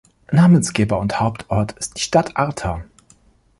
Namensgeber und Hauptort ist die Stadt Arta.